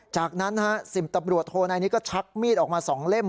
จากนั้น๑๐ตำรวจโทนายนี้ก็ชักมีดออกมา๒เล่ม